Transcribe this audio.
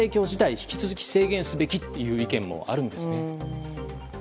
引き続き制限すべきという意見もあるんですね。